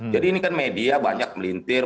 jadi ini kan media banyak melintir